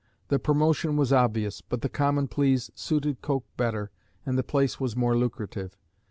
The promotion was obvious, but the Common Pleas suited Coke better, and the place was more lucrative.